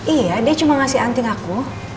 iya dia cuma ngasih anting aku